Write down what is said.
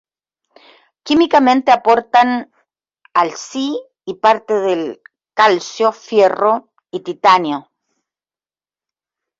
Químicamente aportan Al, Si y parte del Ca, Fe y Ti.